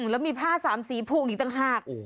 แล้วมีผ้าสามสีผูกอีกต่างหาก